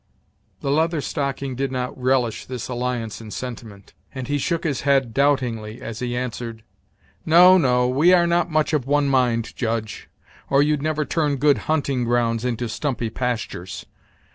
The Leather Stocking did not relish this alliance in sentiment; and he shook his head doubtingly as he answered; "No, no; we are not much of one mind, Judge, or you'd never turn good hunting grounds into stumpy pastures.